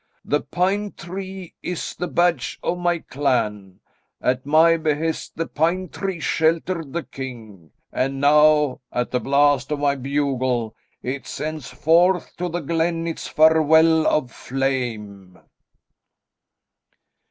The pine tree is the badge of my clan. At my behest the pine tree sheltered the king, and now, at the blast of my bugle, it sends forth to the glen its farewell of flame."